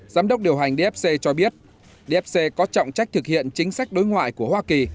giám đốc điều hành dfc cho biết dfc có trọng trách thực hiện chính sách đối ngoại của hoa kỳ